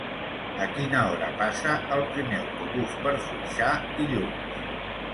A quina hora passa el primer autobús per Foixà dilluns?